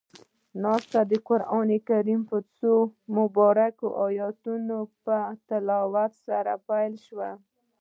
ناسته د قرآن کريم څو مبارکو آیتونو پۀ تلاوت سره پيل شوه.